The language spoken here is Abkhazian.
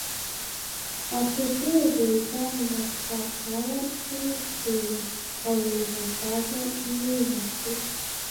Ахәыҷы Вулкан инапқәа аларԥсны дгылан, ауеимадаҳәа инеимаҭәо.